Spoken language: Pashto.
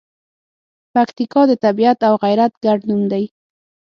پکتیکا د طبیعت او غیرت ګډ نوم دی.